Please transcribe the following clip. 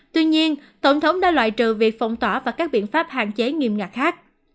tuy nhiên tổng thống đã loại trừ việc phong tỏa và các biện pháp hạn chế nghiêm ngặt khác